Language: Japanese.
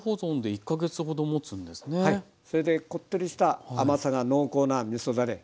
それでこってりした甘さが濃厚なみそだれ。